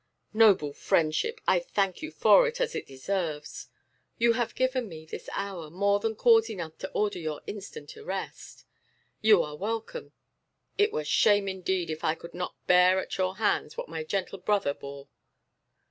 "Noble friendship! I thank you for it, as it deserves." "You have given me, this hour, more than cause enough to order your instant arrest." "You are welcome. It were shame indeed if I could not bear at your hands what my gentle brother bore."